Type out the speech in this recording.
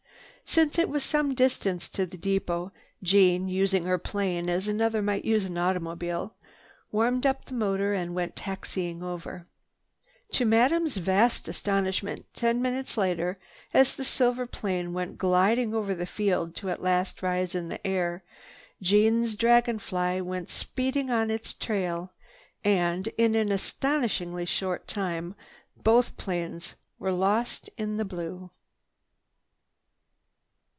Since it was some distance to the depot Jeanne, using her plane as another might an automobile, warmed up the motor and went taxiing over. To Madame's vast astonishment, ten minutes later as the silver plane went gliding over the field to at last rise in air, Jeanne's dragon fly went speeding on its trail and, in an astonishingly short time, both planes were lost in the blue.